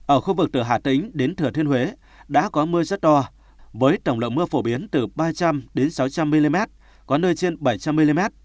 ở khu vực từ hà tĩnh đến thừa thiên huế đã có mưa rất to với tổng lượng mưa phổ biến từ ba trăm linh sáu trăm linh mm có nơi trên bảy trăm linh mm